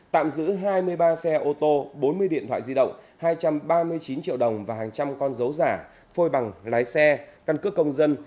tạm giữ hai mươi ba xe ô tô bốn mươi điện thoại di động hai trăm ba mươi chín triệu đồng và hàng trăm con dấu giả phôi bằng lái xe căn cước công dân